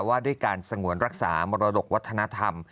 ว่าด้วยการสงวนรักษามรดกวัฒนธรรม